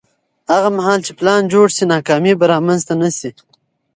هغه مهال چې پلان جوړ شي، ناکامي به رامنځته نه شي.